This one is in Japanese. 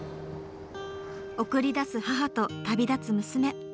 送り出す母と旅立つ娘。